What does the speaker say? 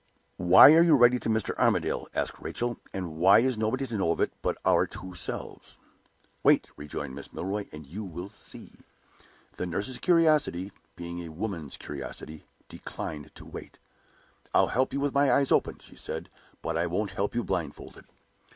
"Why are you writing to Mr. Armadale?" asked Rachel. "And why is nobody to know of it but our two selves?" "Wait," rejoined Mrs. Milroy, "and you will see." The nurse's curiosity, being a woman's curiosity, declined to wait. "I'll help you with my eyes open," she said; "but I won't help you blindfold."